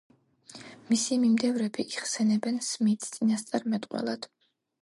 მისი მიმდევრები იხსენებენ სმითს წინასწარმეტყველად.